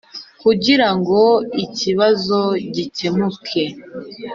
Kugirango ikibazo gikemuke,